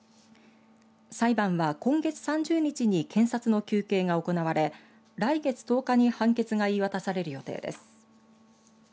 裁判は今月３０日に検察の求刑が行われ来月１０日に判決が言い渡される予定です。